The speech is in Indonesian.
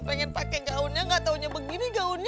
apakah itu non